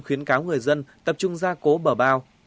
khuyến cáo người dân tập trung ra cố bờ bao